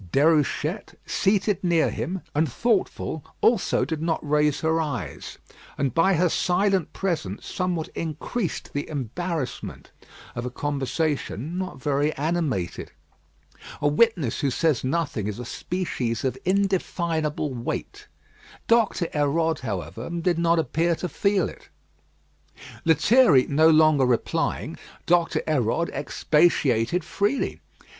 Déruchette, seated near him, and thoughtful, also did not raise her eyes, and by her silent presence somewhat increased the embarrassment of a conversation not very animated. A witness who says nothing is a species of indefinable weight. Doctor Hérode, however, did not appear to feel it. Lethierry no longer replying, Doctor Hérode expatiated freely.